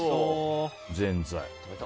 ぜんざい。